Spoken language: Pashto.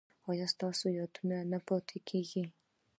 ایا ستاسو یادونه نه پاتې کیږي؟